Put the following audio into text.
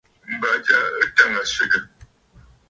M̀bà ja ɨ tàŋə̀ swegè.